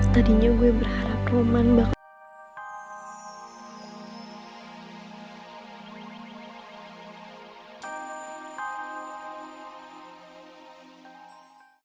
tadinya gue berharap roman baku